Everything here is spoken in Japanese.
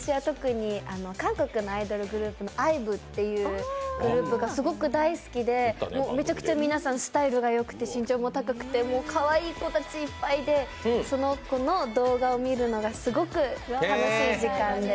韓国のアイドルグループのＩＶＥというグループがすごく大好きでめちゃくちゃ皆さんスタイルがよくて身長が高くてもうかわいい子たちいっぱいでその子の動画を見るのがすごく楽しい時間で。